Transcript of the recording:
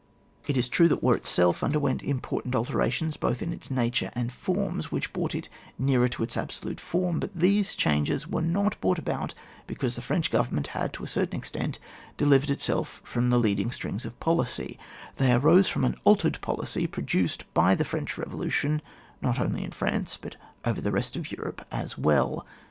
It is true that war itself underwent im portant alterations both in its nature and forms, which brought it nearer to its absolute form; but these changes were not brought about because the French Government had, to a certain extent, delivered itself from the leading strings of policy; they arose from an altered policy, produced by the French Revolu tion, not only in France, but over the rest of Europe as well.